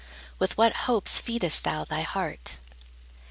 With what hopes feedest thou Thy heart?